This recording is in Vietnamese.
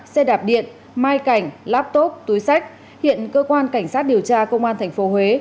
xe đạp điện mai cảnh laptop túi sách hiện cơ quan cảnh sát điều tra công an tp huế